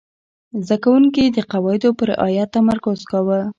زده کوونکي د قواعدو په رعایت تمرکز کاوه.